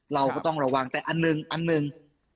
เราก็ต้องระวังแต่อันหนึ่งอันหนึ่ง